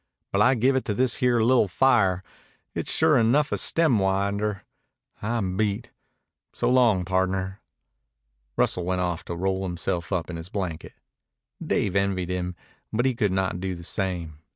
But I give it to this here li'l' fire. It's sure enough a stemwinder. I'm beat. So long, pardner." Russell went off to roll himself up in his blanket. Dave envied him, but he could not do the same.